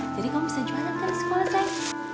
jadi kamu bisa jualan kan di sekolah say